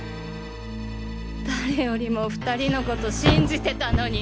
誰よりも２人のこと信じてたのに。